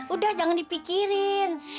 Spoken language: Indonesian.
udah jangan dipikirin